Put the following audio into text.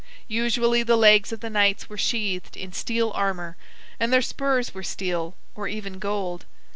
Usually the legs of the knights were sheathed in steel armor; and their spurs were steel, or even gold.